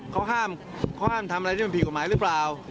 เขาห้ามทำอะไรที่มันผิดกฎหมายหรือเปล่า